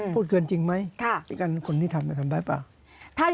พูดเกินจริงไหมคนที่ทำทำได้เปล่า